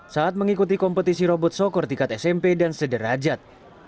saat mengikuti kompetisi robot sokor tingkat smp dan sederajat